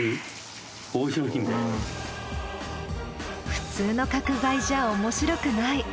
普通の角材じゃおもしろくない。